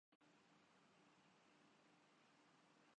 Esperanto